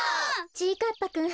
ちぃかっぱくん。